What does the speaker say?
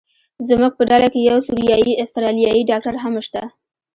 زموږ په ډله کې یو سوریایي استرالیایي ډاکټر هم شته.